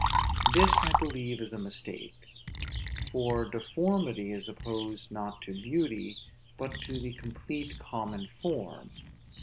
This I believe is a mistake. For deformity is opposed not to beauty, but to the complete common form.